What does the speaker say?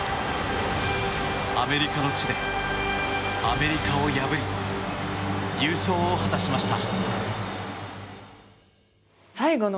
アメリカの地でアメリカを破り優勝を果たしました。